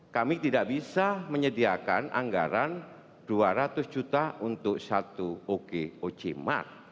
kami tidak bisa menyediakan anggaran dua ratus juta untuk satu okoc mart